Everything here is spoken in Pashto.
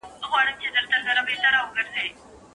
د دوی رسمي او اقتصادي نظم ولي خرابېږي؟